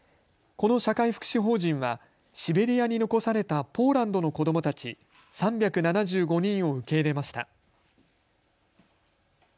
この社会福祉法人はシベリアに残されたポーランドの子どもたち３７５人を受け入れました。